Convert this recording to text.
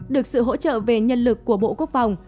được sự hỗ trợ về nhân lực của bộ quốc phòng